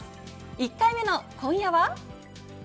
１回目の今夜は。